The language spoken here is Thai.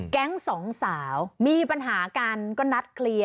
สองสาวมีปัญหากันก็นัดเคลียร์